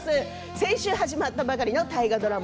先週始まったばかりの大河ドラマ